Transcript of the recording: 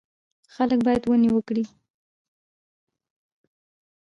خلک باید ونې وکري.